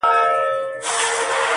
خُم ته یو راغلي په دمدار اعتبار مه کوه-